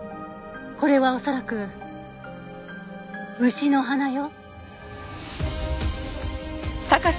これは恐らく牛の鼻よ。